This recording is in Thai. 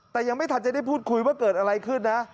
แต่ยังไม่ทันจะได้พูดคุยว่าเกิดอะไรขึ้นนะ